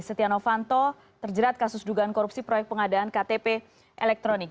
setia novanto terjerat kasus dugaan korupsi proyek pengadaan ktp elektronik